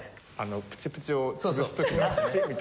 プチプチを潰す時の「プチッ」みたいな。